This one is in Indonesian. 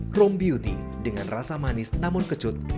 chrome beauty dengan rasa manis namun kecut